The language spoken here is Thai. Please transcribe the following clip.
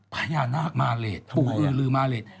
พญานาคมาเลสปู่คือลือมาเลส